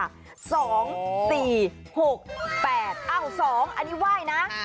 อ้าว๒อันนี้ไหว้นะ